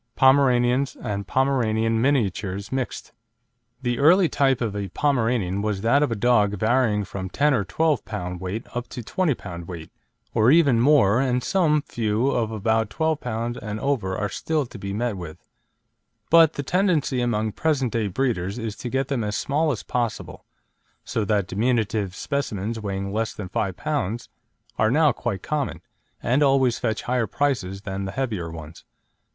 Pomeranians and Pomeranian Miniatures mixed. The early type of a Pomeranian was that of a dog varying from 10 lb. or 12 lb. weight up to 20 lb. weight, or even more, and some few of about 12 lb. and over are still to be met with; but the tendency among present day breeders is to get them as small as possible, so that diminutive specimens weighing less than 5 lb. are now quite common, and always fetch higher prices than the heavier ones.